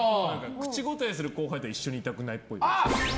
口ごたえるする後輩とは一緒にいたくないっぽい。